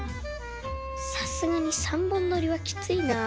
さすがに３本撮りはきついなあ。